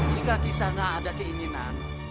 jika kisanak ada keinginan